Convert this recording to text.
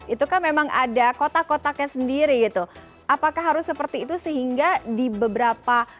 itu kan memang ada kotak kotaknya sendiri gitu apakah harus seperti itu sehingga di beberapa